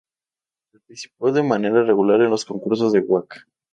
Participó de manera regular en los concursos de waka.